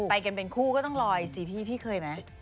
ไปกันเป็นคู่ก็ต้องลอยสิพี่พี่เคยไหม